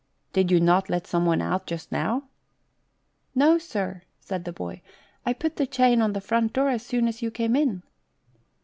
"Did you not let someone out just now? " "No, sir," said the boy. "I put the chain on the front door as soon as you came in."